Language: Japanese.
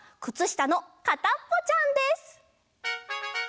くつしたのかたっぽちゃんです。